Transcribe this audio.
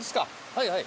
はいはい。